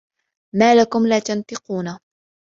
ما لَكُم لا تَنطِقونَ